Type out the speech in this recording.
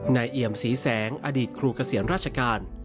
เอี่ยมศรีแสงอดีตครูเกษียณราชการ